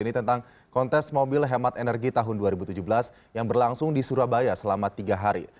ini tentang kontes mobil hemat energi tahun dua ribu tujuh belas yang berlangsung di surabaya selama tiga hari